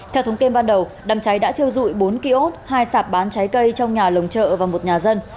theo thống kê ban đầu đám cháy đã thiêu dụi bốn kiosk hai sạp bán trái cây trong nhà lồng chợ và một nhà dân